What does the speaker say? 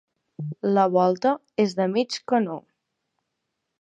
La volta és de mig canó.